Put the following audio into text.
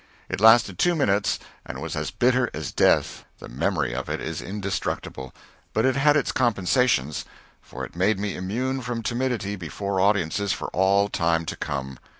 It lasted two minutes and was as bitter as death, the memory of it is indestructible, but it had its compensations, for it made me immune from timidity before audiences for all time to come.